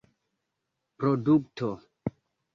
produkto